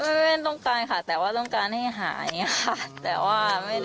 ไม่ต้องการค่ะแต่ว่าต้องการให้หายังค่ะแต่ว่าไม่ได้